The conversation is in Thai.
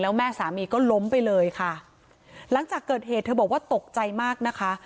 แม่สามีก็ล้มไปเลยค่ะหลังจากเกิดเหตุเธอบอกว่าตกใจมากนะคะ